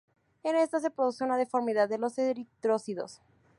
En esta se produce una deformidad de los eritrocitos.